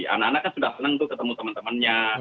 anak anak kan sudah senang tuh ketemu teman temannya